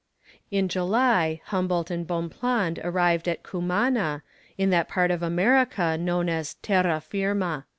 In July, Humboldt and Bonpland arrived at Cumana, in that part of America known as Terra Firma.